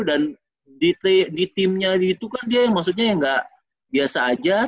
dan di timnya itu kan dia yang maksudnya yang gak biasa aja